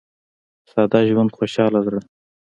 • ساده ژوند، خوشاله زړه.